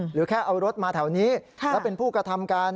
หรือแค่เอารถมาแถวนี้แล้วเป็นผู้กระทำการ